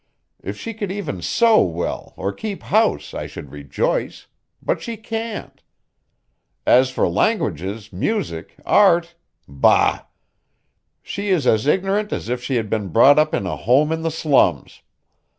If she could even sew well or keep house I should rejoice. But she can't. As for languages, music, art bah! She is as ignorant as if she had been brought up in a home in the slums.